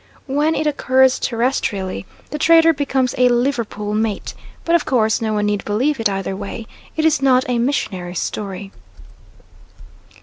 When it occurs terrestrially the trader becomes a Liverpool mate. But of course no one need believe it either way it is not a missionary's story.